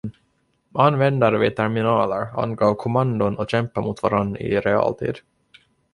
Användare vid terminaler angav kommandon och kämpade mot varandra i realtid.